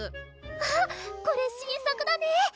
あっこれ新作だね